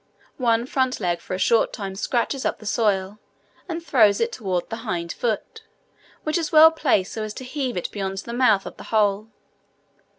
One front leg for a short time scratches up the soil, and throws it towards the hind foot, which is well placed so as to heave it beyond the mouth of the hole.